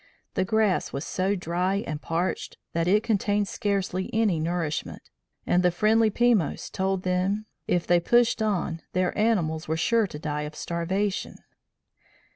The grass was so dry and parched that it contained scarcely any nourishment, and the friendly Pimos told them if they pushed on their animals were sure to die of starvation.